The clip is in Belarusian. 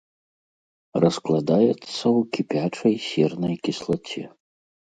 Раскладаецца ў кіпячай сернай кіслаце.